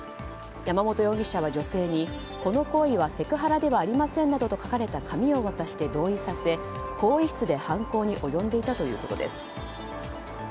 山本容疑者は女性にこの行為はセクハラではありませんなどと書かれた紙を渡して同意させ、更衣室で犯行に及んでいたということです。